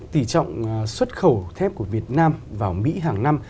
tỷ trọng xuất khẩu thép của việt nam vào mỹ hàng năm